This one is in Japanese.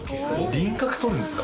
輪郭取るんですか。